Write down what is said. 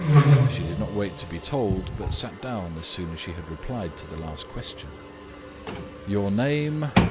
She did not wait to be told, but sat down as soon as she had replied to the last question. "Your name?"